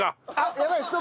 やばい！